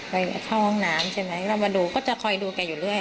ไปเข้าห้องน้ำใช่ไหมเรามาดูก็จะคอยดูแกอยู่เรื่อย